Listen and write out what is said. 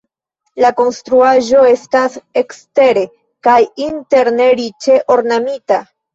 La konstruaĵo estas ekstere kaj interne riĉe ornamita.